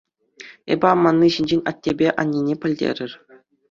Эпӗ аманни ҫинчен аттепе аннене пӗлтерӗр.